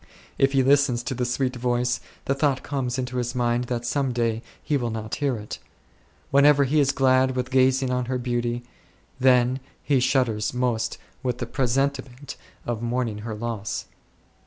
If he listens to the sweet voice, the thought comes into his mind that some day he will not hear it. Whenever he is glad with gazing on her beauty, then he shudders most with the presentiment of mourning her loss.